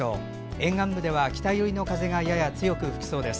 沿岸部では北寄りの風がやや強く吹くそうです。